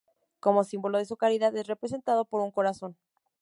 Como símbolo de su caridad es representado por un corazón.